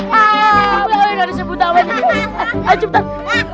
pak kiai gak disebut nama sultan